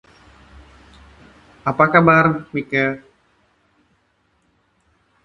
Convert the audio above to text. Apa kabar, Mike?